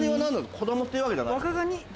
子供ってわけじゃない？